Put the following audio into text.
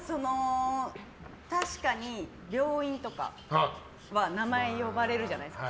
確かに、病院とかは名前呼ばれるじゃないですか。